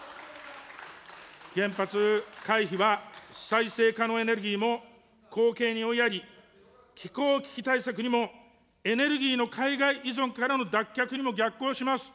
原発かいひは再生可能エネルギーも後景に追いやり、気候危機対策にもエネルギーの海外依存からの脱却にも逆行します。